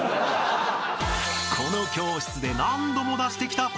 ［この教室で何度も出してきたこの問題］